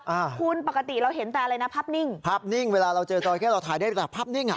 อ่าคุณปกติเราเห็นแต่อะไรนะภาพนิ่งภาพนิ่งเวลาเราเจอจราเข้เราถ่ายได้แต่ภาพนิ่งอ่ะ